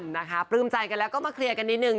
นะคะปลื้มใจกันแล้วก็มาเคลียร์กันนิดนึง